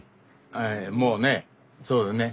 ええもうねそうだね